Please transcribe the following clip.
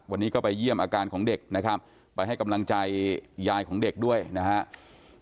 วันนี้ก็ไปเยี่ยมอาการของเด็กนะครับไปให้กำลังใจยายของเด็กด้วยนะครับ